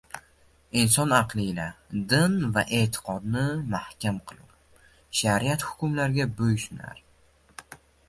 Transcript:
Inson aqli ila din va e’tiqodini mahkam qilur, shariat hukmlariga bo’yunsunar